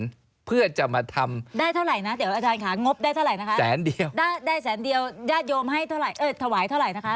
ได้เท่าไรนะเดี๋ยวยาดยมไห้เท่าไร